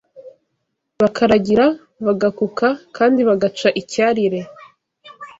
bakaragira, Bagakuka kandi bagaca icyarire